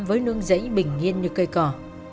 với nương rẫy bình yên như cây cỏ